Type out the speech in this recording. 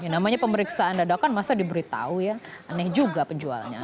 namanya pemeriksaan dadakan masa diberitahu ya aneh juga penjualnya